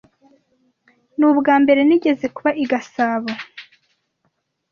Ni ubwambere nigeze kuba i Gasabo.